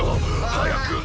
早く！